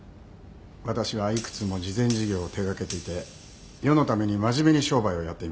私は幾つも慈善事業を手掛けていて世のために真面目に商売をやっています。